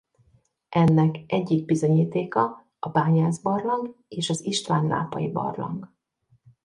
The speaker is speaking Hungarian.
Ennek egyik bizonyítéka a Bányász-barlang és az István-lápai-barlang.